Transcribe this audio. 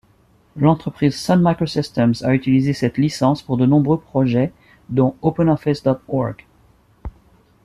L'entreprise Sun Microsystems a utilisé cette licence pour de nombreux projets dont OpenOffice.org.